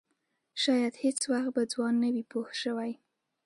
شاید هېڅ وخت به ځوان نه وي پوه شوې!.